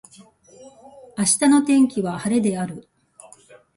明日の天気は晴れである。